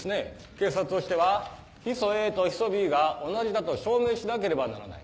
警察としてはヒ素Ａとヒ素Ｂが同じだと証明しなければならない。